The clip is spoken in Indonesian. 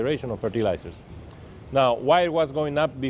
dan juga karena perubahan kondisi